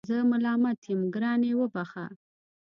زه ملامت یم ګرانې وبخښه